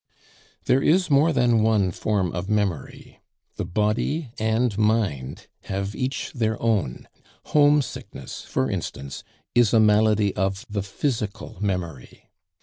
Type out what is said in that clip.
There is more than one form of memory: the body and mind have each their own; home sickness, for instance, is a malady of the physical memory.